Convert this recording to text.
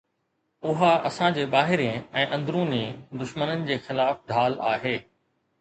اها اسان جي ٻاهرين ۽ اندروني دشمنن جي خلاف ڍال آهي.